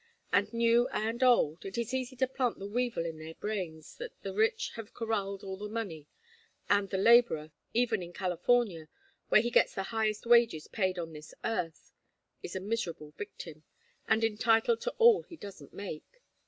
And new and old it is easy to plant the weevil in their brains that the rich have corralled all the money, and the laborer even in California, where he gets the highest wages paid on this earth is a miserable victim, and entitled to all he doesn't make.